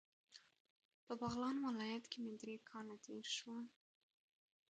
په بغلان ولایت کې مې درې کاله تیر شول.